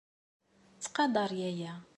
Ttqadar yaya.